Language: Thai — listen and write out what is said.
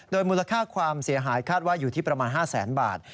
มูลค่าความเสียหายคาดว่าอยู่ที่ประมาณ๕แสนบาท